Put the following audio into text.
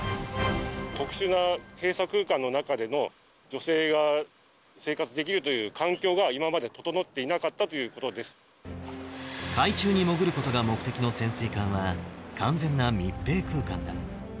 特殊な閉鎖空間の中でも、女性が生活できるという環境が今まで整っていなかったということ海中に潜ることが目的の潜水艦は完全な密閉空間だ。